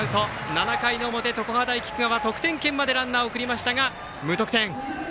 ７回の表、常葉大菊川得点圏までランナーを送ったが無得点。